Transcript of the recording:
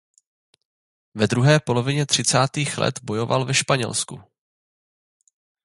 Ve druhé polovině třicátých let bojoval ve Španělsku.